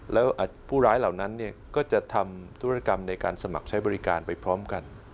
แล้วผู้ร้ายเหล่านั้นก็จะทำธุรกรรมในการสมัครใช้บริการไปพร้อมกัน